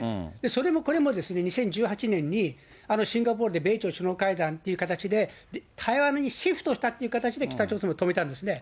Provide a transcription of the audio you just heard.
それもこれも、２０１８年に、あのシンガポールで米朝首脳会談という形で、対話にシフトしたという形で、北朝鮮は止めたんですね。